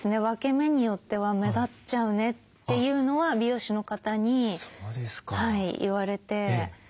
分け目によっては目立っちゃうねっていうのは美容師の方に言われて。